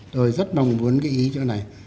tôi rất mong muốn ghi ý chỗ này